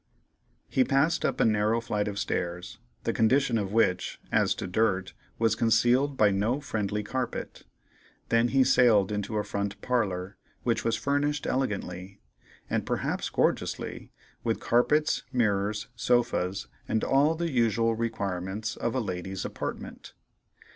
He passed up a narrow flight of stairs, the condition of which, as to dirt, was concealed by no friendly carpet; then he sailed into a front parlor which was furnished elegantly, and perhaps gorgeously, with carpets, mirrors, sofas, and all the usual requirements of a lady's apartment.